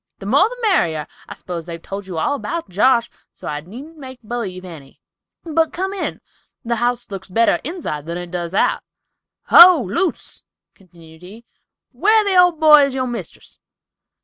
The more the merrier. I s'pose they've told you all about Josh, so I needn't make b'lieve any—but come in—the house looks better inside than it does out." "Ho, Luce," continued he, "where the old boy is your mistress?